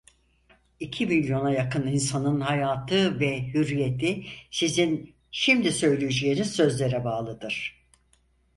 İki milyona yakın insanın hayatı ve hürriyeti sizin şimdi söyleyeceğiniz sözlere bağlıdır.